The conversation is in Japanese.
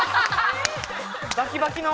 ◆バキバキの。